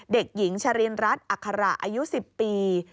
เด็กหญิงชรินรัฐอัคระอายุ๑๐ปี